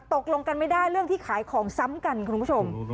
ตกลงกันไม่ได้เรื่องที่ขายของซ้ำกันคุณผู้ชม